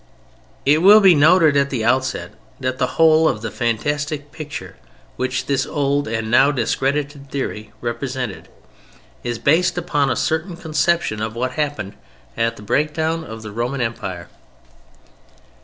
It will be noted at the outset that the whole of the fantastic picture which this old and now discredited theory presented, is based upon a certain conception of what happened at the breakdown of the Roman Empire.